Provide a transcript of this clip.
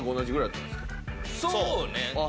そうね。